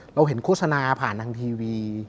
เราเห็นโฆษณาผ่านทางทีวี